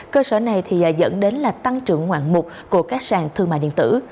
cơ sở này dẫn đến là tăng trưởng ngoạn mục của các sàn thương mại điện tử